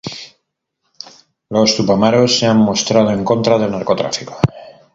Los Tupamaros se han mostrado en contra del narcotráfico.